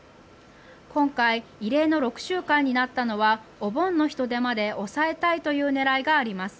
今回、異例の６週間になったのはお盆の人出まで抑えたいという狙いがあります。